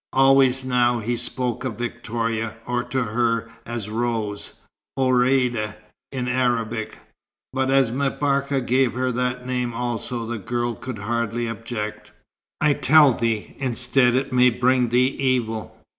Always now, he spoke of Victoria, or to her, as "Rose" (Ourïeda in Arabic); but as M'Barka gave her that name also, the girl could hardly object. "I tell thee, instead it may bring thee evil."